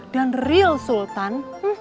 dan real sultan